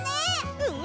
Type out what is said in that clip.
うん！